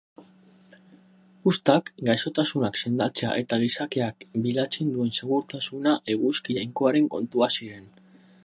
Uztak, gaixotasunak sendatzea eta gizakiak bilatzen duen segurtasuna eguzki jainkoaren kontua ziren.